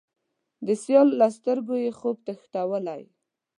د سیال له سترګو یې، خوب تښتولی